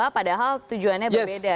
padahal tujuannya berbeda